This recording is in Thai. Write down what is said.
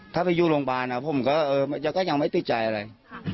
ถ้าไปอยู่โรงพยาบาลผมก็ยังไม่ติดใจอะไร